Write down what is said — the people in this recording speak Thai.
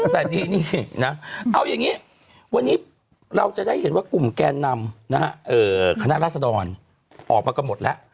แต่นี่นะเอาอย่างนี้วันนี้เราจะได้เห็นว่ากลุ่มแกนนำคณะราษดรออกมากันหมดแล้ว